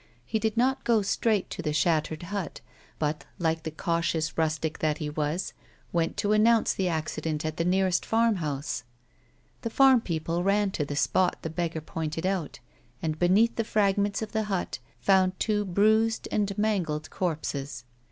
He did not go straight to the shattered hut, but, like the cautious rustic that he was, went to announce the accident at the nearest farm house. The farm people ran to the spot the beggar pointed out, and beneath the fragments of the hut, found two bruised and mangled corpses.